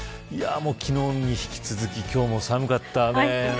昨日に引き続き今日も寒かったね。